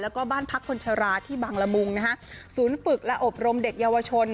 แล้วก็บ้านพักคนชราที่บางละมุงนะคะ